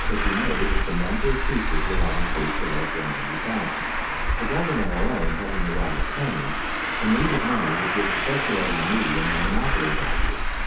could be made if the number of pieces were not increased above 100,000. The government alone having the right of coinage, the need of money would give the circulating medium a monopoly value.